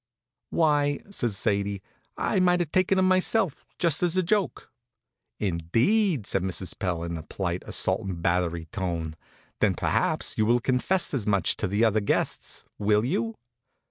"Why," says Sadie, "I might have taken them myself, just as a joke." "Indeed!" says Mrs. Pell in a polite assault and battery tone. "Then perhaps you will confess as much to the other guests? Will you?"